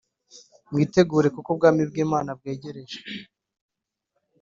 Mwitegure kuko ubwami bw’imana bwegereje